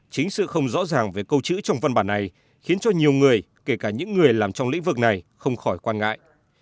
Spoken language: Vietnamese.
chính sự không rõ ràng về câu chữ trong văn bản này khiến cho nhiều người kể cả những người làm trong lĩnh vực này không khỏi quan ngại